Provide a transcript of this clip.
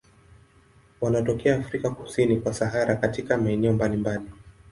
Wanatokea Afrika kusini kwa Sahara katika maeneo mbalimbali.